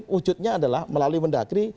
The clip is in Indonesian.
wujudnya adalah melalui mendagri